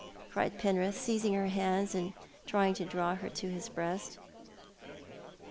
" cried Penrith, seizing her hands, and trying to draw her to his breast.